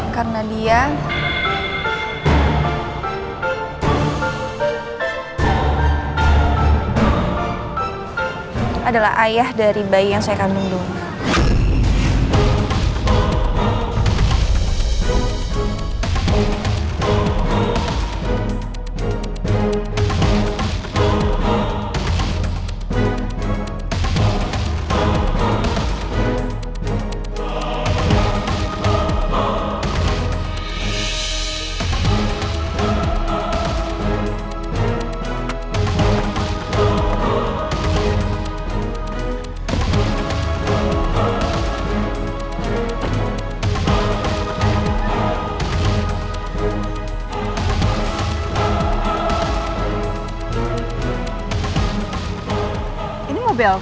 karena dia adalah ayah dari bayi yang saya kandung dulu